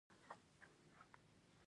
افغانستان د لمریز ځواک له پلوه متنوع دی.